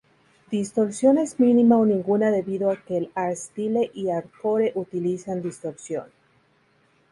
Distorsión es mínima o ninguna debido a que el hardstyle y hardcore utilizan distorsión.